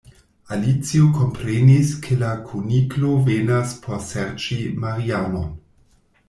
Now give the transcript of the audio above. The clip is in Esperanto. Alicio komprenis ke la Kuniklo venas por serĉi Marianon.